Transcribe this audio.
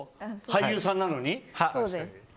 俳優さんなのに？